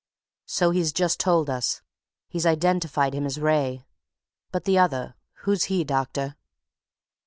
"So he's just told us; he's identified him as Wraye. But the other who's he, doctor?"